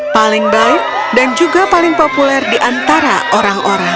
paling baik dan juga paling populer di antara orang orang